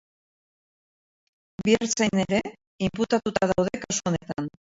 Bi ertzain ere inputatuta daude kasu honetan.